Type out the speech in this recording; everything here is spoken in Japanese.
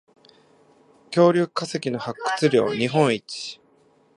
恐竜化石の発掘量日本一